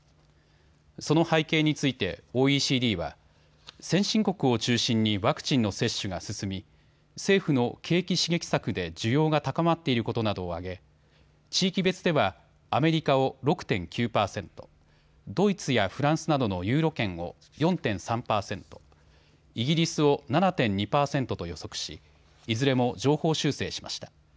その背景についてＯＥＣＤは先進国を中心にワクチンの接種が進み政府の景気刺激策で需要が高まっていることなどを挙げ地域別ではアメリカを６．９％、ドイツやフランスなどのユーロ圏を４．３％、イギリスを７．２％と予測しいずれも上方修正しました。